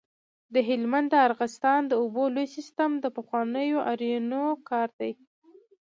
د هلمند د ارغستان د اوبو لوی سیستم د پخوانیو آرینو کار دی